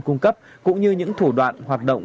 cung cấp cũng như những thủ đoạn hoạt động